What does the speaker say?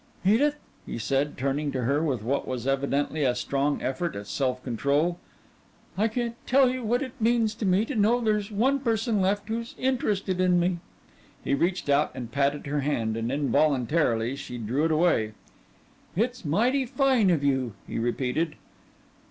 "Edith," he said, turning to her with what was evidently a strong effort at self control, "I can't tell you what it means to me to know there's one person left who's interested in me." He reached out and patted her hand, and involuntarily she drew it away. "It's mighty fine of you," he repeated.